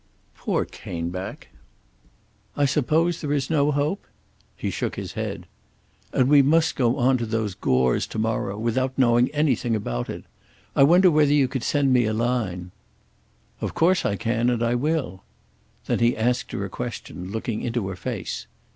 "Poor Caneback!" "I suppose there is no hope?" He shook his head. "And we must go on to those Gores to morrow without knowing anything about it. I wonder whether you could send me a line." "Of course I can, and I will." Then he asked her a question looking into her face.